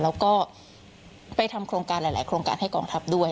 แล้วก็ไปทำโครงการหลายโครงการให้กองทัพด้วย